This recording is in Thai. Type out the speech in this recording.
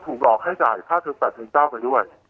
ถูกหลอกให้จ่ายค่าเทอม๘เทอม๙กันที่ไหน